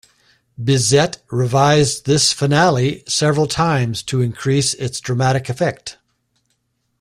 Bizet revised this finale several times to increase its dramatic effect.